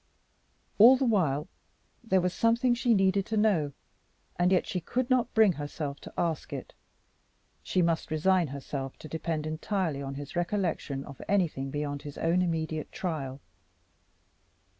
All the while there was something she needed to know, and yet she could not bring herself to ask it. She must resign herself to depend entirely on his recollection of anything beyond his own immediate trial.